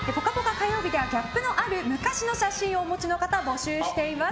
火曜日ではギャップのある昔の写真をお持ちの方募集しています。